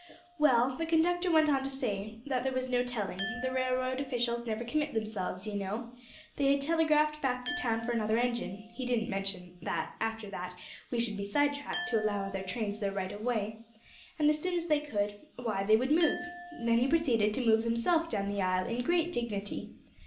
"Well, the conductor went on to say, that there was no telling, the railroad officials never commit themselves, you know, they had telegraphed back to town for another engine (he didn't mention that, after that, we should be sidetracked to allow other trains their right of way), and as soon as they could, why, they would move. Then he proceeded to move himself down the aisle in great dignity.